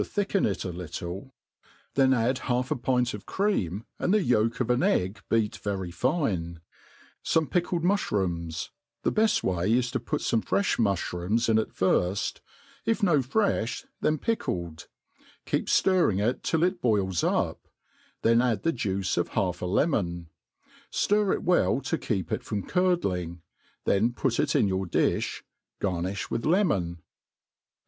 »3 thicken it a little, then add half a pint of cream, and the yolk of an egg beat very fine ; feme pickled muthrooms : the beft way is to put fome fre(h muflirooms in at firft ; if no freih, then, pickled ; keep ftirring it till it boils up, then add the juice of haif a lemon, Hit it well to keep it from curdling* then put irt in your difli. Garnifh with lemon.